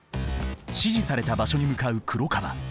指示された場所に向かう黒川。